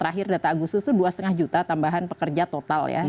terakhir data agustus itu dua lima juta tambahan pekerja total ya